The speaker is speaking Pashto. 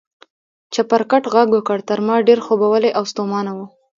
چپرکټ غږ وکړ، تر ما ډېر خوبولی او ستومانه و.